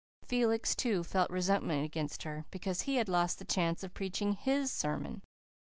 Felix, too, felt resentment against her, because he had lost the chance of preaching his sermon.